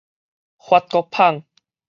法國 pháng